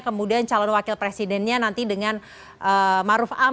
kemudian calon wakil presidennya nanti dengan maruf amin